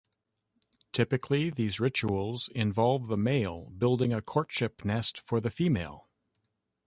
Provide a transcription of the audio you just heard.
Typically, these rituals involve the male building a courtship nest for the female.